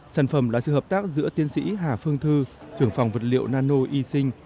sản phẩm là sự hợp tác giữa tiến sĩ hà phương thư trưởng phòng vật liệu nano y sinh